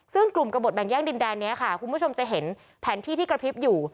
ซึ่งกลุ่มกระบดแบ่งแย่งดินแดนนี้ค่ะคุณผู้ชมจะเห็นแผนที่ที่กระพริบอยู่